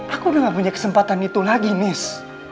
aku udah gak punya kesempatan itu lagi nis